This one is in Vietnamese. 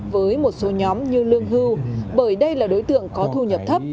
với một số nhóm như lương hưu bởi đây là đối tượng có thu nhập thấp